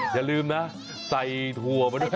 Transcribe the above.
อย่าลืมนะใส่ถั่วมาด้วย